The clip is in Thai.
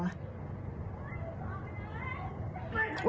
โอ๊ยตาย